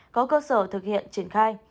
có cơ sở thực hiện triển khai